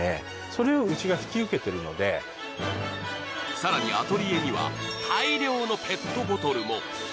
更にアトリエには大量のペットボトルも。